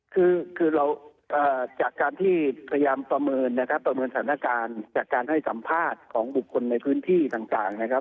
คือเราจากการที่พยายามประเมินนะครับประเมินสถานการณ์จากการให้สัมภาษณ์ของบุคคลในพื้นที่ต่างนะครับ